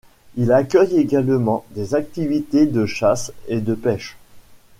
Il accueille également des activités de chasse et de pêche.